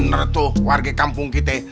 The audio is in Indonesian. bener tuh warga kampung kita